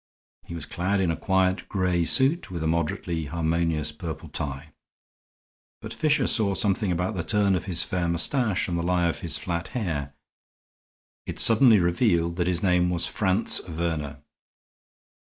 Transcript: He was clad in a quiet gray suit with a moderately harmonious purple tie; but Fisher saw something about the turn of his fair mustache and the lie of his flat hair it suddenly revealed that his name was Franz Werner.